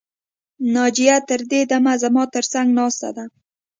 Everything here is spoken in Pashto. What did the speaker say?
ناجیه تر دې دمه زما تر څنګ ناسته ده